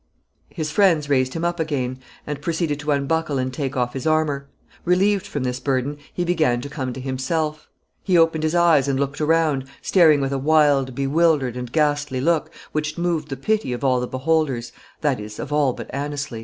His friends raised him up again, and proceeded to unbuckle and take off his armor. Relieved from this burden, he began to come to himself. He opened his eyes and looked around, staring with a wild, bewildered, and ghastly look, which moved the pity of all the beholders, that is, of all but Anneslie.